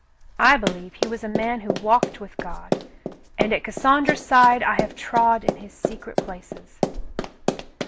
I believe he was a man who walked witk God, and at Cassandra's side I have trod in his secret places."